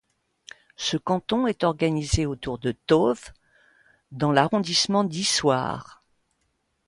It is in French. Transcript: Ce canton est organisé autour de Tauves dans l'arrondissement d'Issoire.